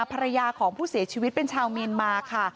ภรรยาของผู้เสียชีวิตเป็นชาวเมียนมาค่ะ